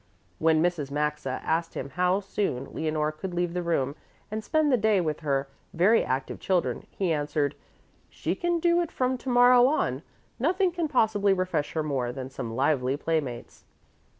When Mrs. Maxa asked him how soon Leonore could leave the room and spend the day with her very active children, he answered, "She can do it from to morrow on. Nothing can possibly refresh her more than some lively playmates."